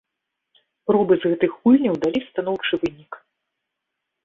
Пробы з гэтых гульняў далі станоўчы вынік.